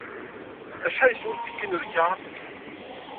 Acḥal yeswa utiki n lkar?